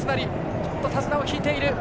手綱を引いている。